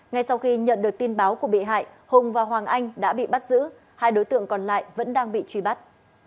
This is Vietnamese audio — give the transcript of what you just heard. ngay sau khi nhận được tin báo của bị hại hùng và hoàng anh đã bị bắt giữ hai đối tượng còn lại vẫn đang bị truy bắt